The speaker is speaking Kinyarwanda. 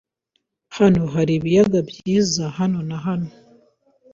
Hano hari ibiyaga byiza hano na hano.